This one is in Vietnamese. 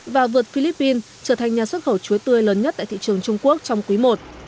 và vượt philippines trở thành nhà xuất khẩu chuối tươi lớn nhất tại thị trường trung quốc trong quý i